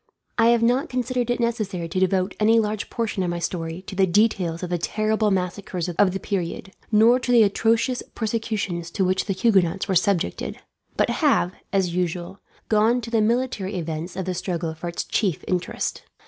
I have not considered it necessary to devote any large portion of my story to details of the terrible massacres of the period, nor to the atrocious persecutions to which the Huguenots were subjected; but have, as usual, gone to the military events of the struggle for its chief interest.